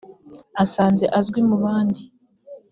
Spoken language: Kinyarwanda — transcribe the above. asanze azwi mu bandi